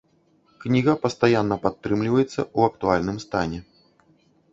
Кніга пастаянна падтрымліваецца ў актуальным стане.